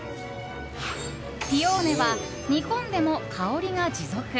ピオーネは煮込んでも香りが持続。